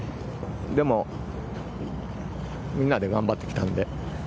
でもみんなで頑張ってきたので。